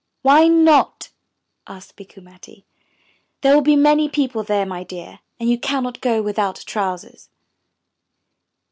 'Why not?" asked Bikku Matti. 'There will be many people there, my dear, and you cannot go without trousers.'